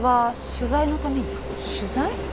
取材？